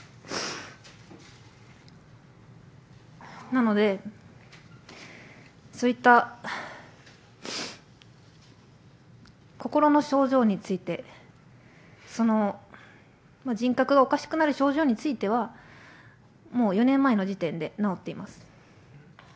なので、そういった心の症状について、人格がおかしくなる症状については、もう４年前の時点で治っています。